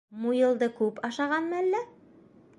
Муйылды күп ашағанмы әллә?